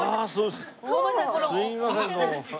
すいませんどうも。